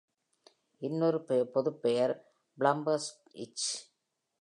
இன்னொரு பொதுப்பெயர் plumber's itch.